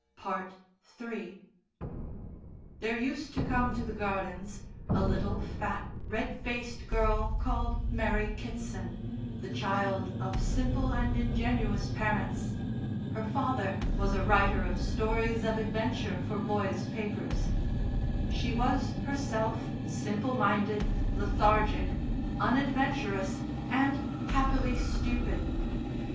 III There used to come to the gardens a little fat red faced girl called Mary Kitson, the child of simple and ingenuous parents (her father was a writer of stories of adventure for boys' papers); she was herself simple minded, lethargic, unadventurous, and happily stupid.